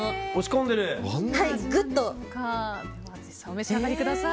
お召し上がりください。